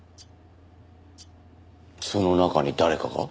その中に誰かが？